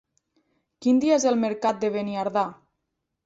Quin dia és el mercat de Beniardà?